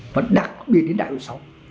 và đặc biệt đến đại đội xã hội